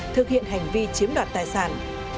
thực hiện hành vi chiếm đoạt tài sản